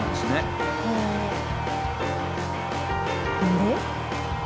で？